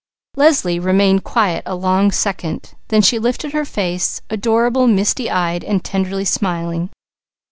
Leslie remained quiet a long second. Then she lifted her face, adorable, misty eyed and tenderly smiling.